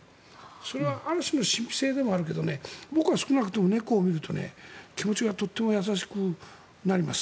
それはある種の神秘性でもあるけど僕は少なくとも猫を見ると気持ちがとっても優しくなります。